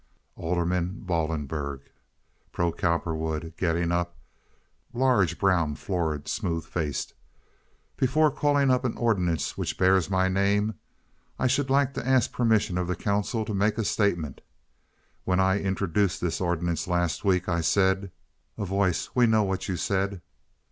Alderman Ballenberg (pro Cowperwood, getting up—large, brown, florid, smooth faced). "Before calling up an ordinance which bears my name I should like to ask permission of the council to make a statement. When I introduced this ordinance last week I said—" A Voice. "We know what you said."